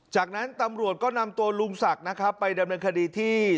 จากนั้นตำรวจก็นำตัวลุงศักดิ์นะครับไปดำเนินคดีที่